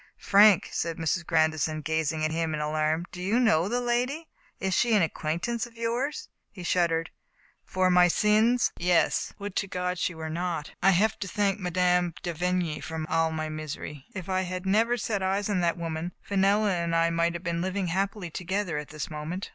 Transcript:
" Frank," said Mrs. Grandison, gazing at him in alarm, " do you know the lady ? Is she an acquaintance of yours ?He shuddered. " For my sins, yes. Would Digitized by Google Mas. EDWAkD KENNARD, l6l to God she were not ! I have to thank Mme. de Vigny for all my misery. If I had never set eyes on that woman, Fenella and I might have been living happily together at this moment.